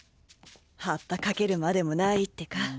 発破かけるまでもないってか